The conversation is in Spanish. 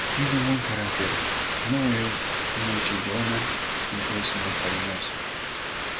Tiene un buen carácter, no es muy chillona y es muy cariñosa.